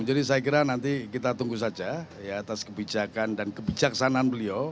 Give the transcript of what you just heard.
jadi saya kira nanti kita tunggu saja ya atas kebijakan dan kebijaksanaan beliau